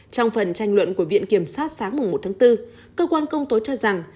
trong phần tranh luận của viện kiểm sát sáng một tháng bốn cơ quan công tố cho rằng